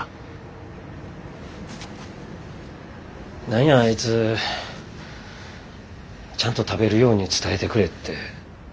何やあいつ「ちゃんと食べるように伝えてくれ」って。